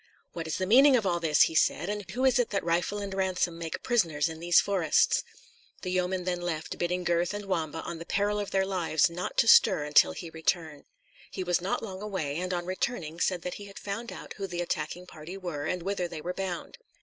"What is the meaning of all this," he said; "or who is it that rifle and ransom and make prisoners in these forests?" The yeoman then left, bidding Gurth and Wamba, on the peril of their lives, not to stir until he returned. He was not long away, and on returning said that he had found out who the attacking party were and whither they were bound.